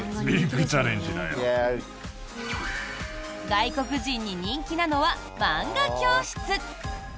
外国人に人気なのは漫画教室。